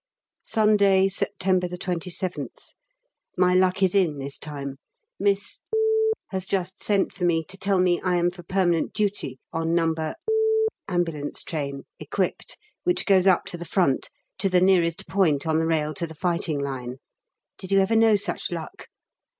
Sunday, September 27th. My luck is in this time. Miss has just sent for me to tell me I am for permanent duty on No. Ambulance Train (equipped) which goes up to the Front, to the nearest point on the rail to the fighting line. Did you ever know such luck?